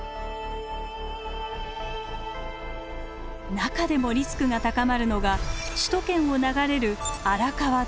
中でもリスクが高まるのが首都圏を流れる荒川です。